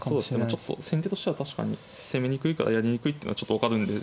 ちょっと先手としては確かに攻めにくいからやりにくいっていうのはちょっと分かるんで。